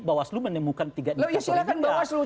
bawaslu menemukan tiga nipah